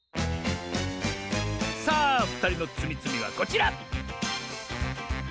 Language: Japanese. さあふたりのつみつみはこちら！